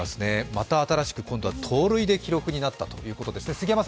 また新しく今度は盗塁で記録になったということですね。